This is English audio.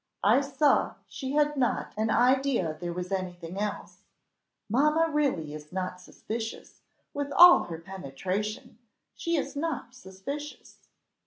I saw she had not an idea there was anything else. Mamma really is not suspicious, with all her penetration she is not suspicious."